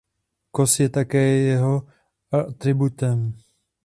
Kos je také jeho atributem.